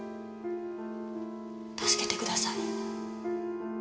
助けてください。